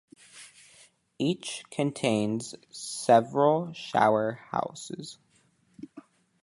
Each contains several shower houses.